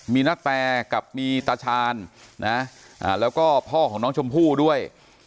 มีนาแตกับมีตาชาญนะแล้วก็พ่อของน้องชมพู่ด้วย